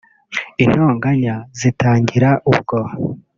intoganya zitangira ubwo